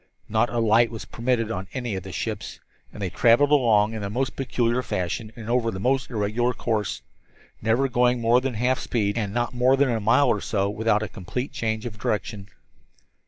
Not a light was permitted on any of the ships, and they traveled along in the most peculiar fashion and over the most irregular course, never going at more than half speed and not more than a mile or so without a complete change of direction.